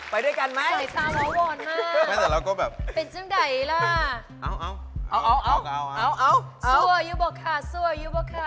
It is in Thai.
ไปด้วยกันมั้ยมันแต่เราก็แบบเป็นเชี่ยวไหนล่ะ